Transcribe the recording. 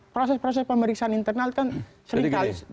proses proses pemeriksaan internal kan seringkali